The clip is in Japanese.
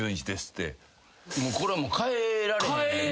もうこれは変えられない。